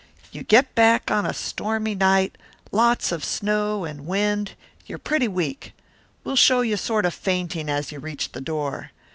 You get back on a stormy night; lots of snow and wind; you're pretty weak. We'll show you sort of fainting as you reach the door.